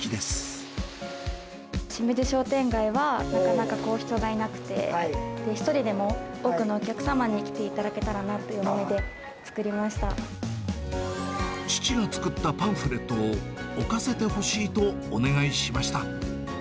清水商店街は、なかなか人がいなくて、一人でも多くのお客様に来ていただけたらなという思いで作りまし父が作ったパンフレットを置かせてほしいとお願いしました。